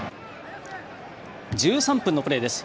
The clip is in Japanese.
１３分のプレーです。